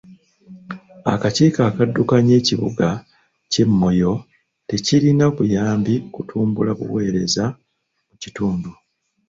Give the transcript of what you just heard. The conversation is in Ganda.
Akakiiko akaddukanya ekibuga ky'e Moyo tekirina buyambi kutumbula buweereza mu kitundu.